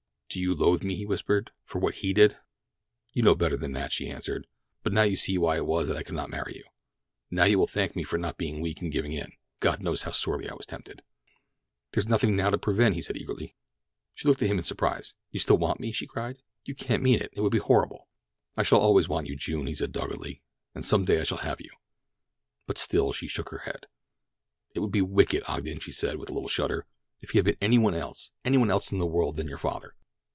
"Do you loathe me," he whispered, "for what he did?" "You know better than that," she answered; "but now you see why it was that I could not marry you. Now you will thank me for not being weak and giving in—God knows how sorely I was tempted!" "There is nothing now to prevent," he said eagerly. She looked at him in surprise. "You still want me?" she cried. "You can't mean it—it would be horrible!" "I shall always want you, June," he said doggedly, "and some day I shall have you." But still she shook her head. "It would be wicked, Ogden," she said with a little shudder. "If he had been any one else—any one else in the world than your father!"